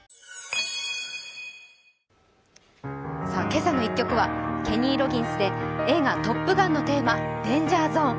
今朝の１曲はケニー・ロギンスで映画「トップ・ガン」のテーマ、「デンジャーゾーン」。